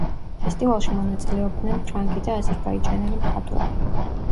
ფესტივალში მონაწილეობდნენ ფრანგი და აზერბაიჯანელი მხატვრები.